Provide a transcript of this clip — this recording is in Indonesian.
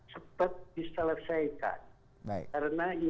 jadi peristiwa tahun seribu sembilan ratus enam puluh lima ini